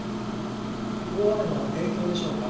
大雨の影響でしょうか。